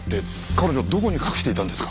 彼女どこに隠していたんですか？